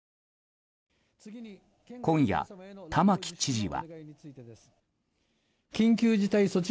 今夜、玉城知事は。